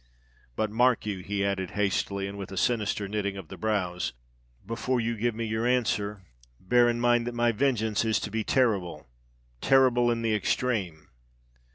But, mark you!" he added hastily, and with a sinister knitting of the brows; "before you give me your answer, bear in mind that my vengeance is to be terrible—terrible in the extreme!"